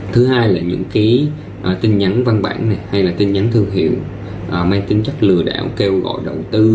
thứ hai là những cái tin nhắn văn bản hay là tin nhắn thương hiệu mang tính chất lừa đảo kêu gọi đầu tư